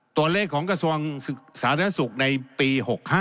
ตัวเลขของกระทรวงสาธารณสุขในปี๖๕